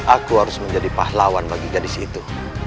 aku harus menjadi pahlawan bagi gadis itu